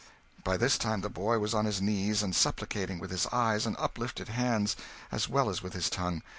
By this time the boy was on his knees, and supplicating with his eyes and uplifted hands as well as with his tongue.